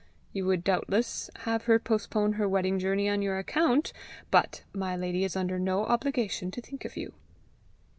You would doubtless have her postpone her wedding journey on your account, but my lady is under no obligation to think of you."